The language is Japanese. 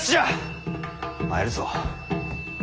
参るぞ。